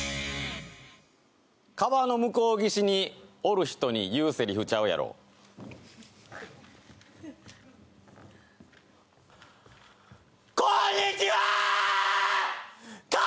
川の向こう岸におる人に言うセリフちゃうやろこんにちはーっ！